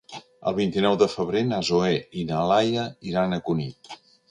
El vint-i-nou de febrer na Zoè i na Laia iran a Cunit.